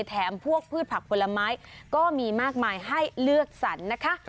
แถมพวกพืชผักผลไม้ก็มีมากมายให้เลือกสรรนะคะ